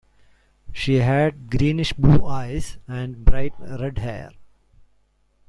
She had greenish blue eyes and bright red hair.